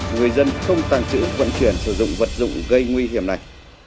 người dân không tàng trữ vận chuyển sử dụng vật dụng gây nguy hiểm này